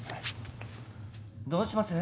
どうします？